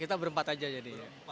kita berempat saja jadi